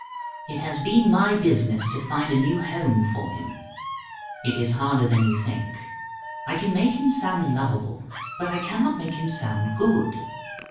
It has been my business to find a new home for him. It is harder than you think. I can make him sound lovable, but I cannot make him sound good.